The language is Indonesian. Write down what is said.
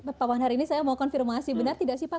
pak pandar ini saya mau konfirmasi benar tidak sih pak